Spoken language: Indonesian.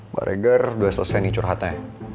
pak regar udah selesai nih curhatnya